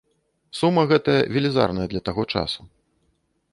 Сума гэтая велізарная для таго часу.